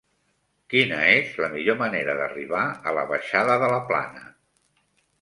Quina és la millor manera d'arribar a la baixada de la Plana?